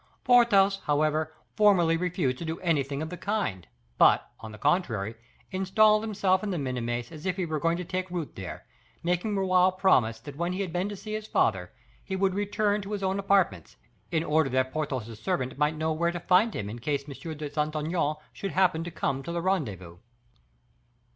Porthos, however, formally refused to do anything of the kind, but, on the contrary, installed himself in the Minimes as if he were going to take root there, making Raoul promise that when he had been to see his father, he would return to his own apartments, in order that Porthos's servant might know where to find him in case M. de Saint Aignan should happen to come to the rendezvous.